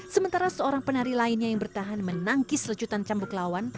sementara seorang penari lainnya yang bertahan menangkis lecutan cambuk lawan